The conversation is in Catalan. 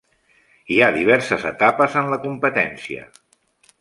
Hi ha diverses etapes en la competència.